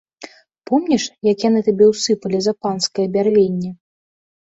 Помніш, як яны табе ўсыпалі за панскае бярвенне?